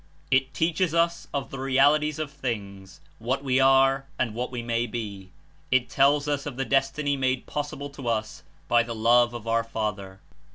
It teaches us of the realities of things, what we are and what we may be. It tells of the destiny made possible to us by the Love of our Father.